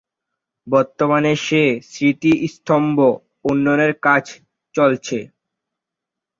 বর্তমানে সে স্মৃতিস্তম্ভ উন্নয়নের কাজ চলছে।